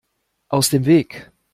Aus dem Weg!